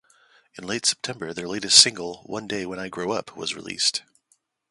In late September, their latest single "One Day When I Grow Up" was released.